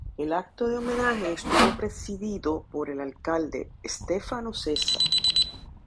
El acto de homenaje estuvo presidido por el alcalde, Stefano Cesa.